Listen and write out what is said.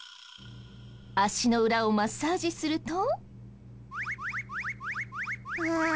足の裏をマッサージすると。